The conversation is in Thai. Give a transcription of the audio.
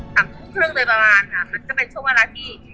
สามทุ่มครึ่งโดยประมาณค่ะมันก็เป็นช่วงเวลาที่